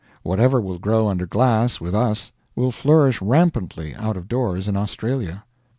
Whatever will grow under glass with us will flourish rampantly out of doors in Australia.